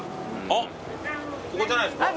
あっここじゃないですか？